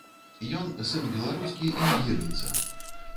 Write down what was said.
Ён сын беларускі і нігерыйца.